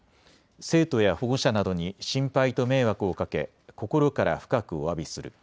生徒や保護者などに心配と迷惑をかけ心から深くおわびする。